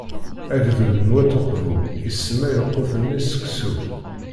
Agdud n Wat Uqbu isemma i lqut-nni seksu.